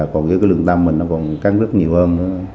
còn cái lượng tâm mình nó còn cắn rất nhiều hơn nữa